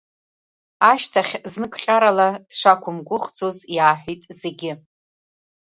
Ашьҭахь зныкҟьарала дшақәымгәыӷӡоз иааҳәит зегьы.